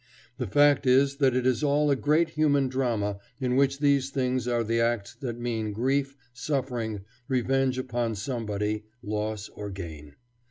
The fact is that it is all a great human drama in which these things are the acts that mean grief, suffering, revenge upon somebody, loss or gain.